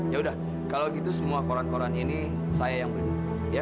yaudah kalau gitu semua koran koran ini saya yang beli ya